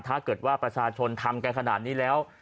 ถ้าประสาชนทำกันขนาดนี้แล้ว